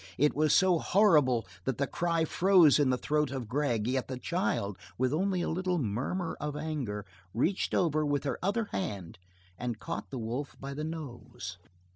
It was so horrible that the cry froze in the throat of Gregg, yet the child, with only a little murmur of anger, reached over with her other hand and caught the wolf by the nose.